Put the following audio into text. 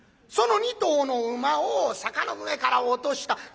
その２頭の馬を坂の上から落とした。